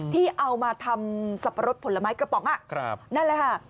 ที่เอามาทำสับปะรดผลไม้กระป๋องนั่นแหละค่ะ